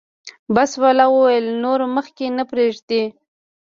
بس والا وویل نور مخکې نه پرېږدي.